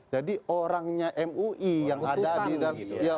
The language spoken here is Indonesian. jadi orangnya mui yang ada di dalam